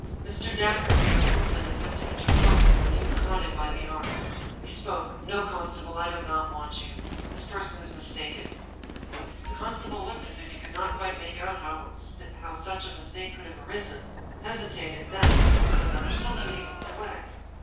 Mr. Dacre made a move ment as if to interpose. The duke caught him by the arm. He spoke: "No, constable, I do not want you. This person is mistaken." The constable looked as if he could not quite make out how such a mistake could have arisen, hesitated, then, with another salute, he moved away.